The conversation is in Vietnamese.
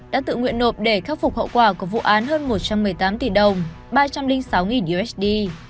đã tự nguyện nộp để khắc phục hậu quả của vụ án hơn một trăm một mươi tám tỷ đồng ba trăm linh sáu usd